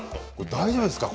大丈夫ですか？